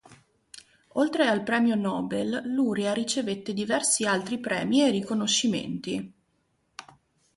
Oltre al premio Nobel, Luria ricevette diversi altri premi e riconoscimenti.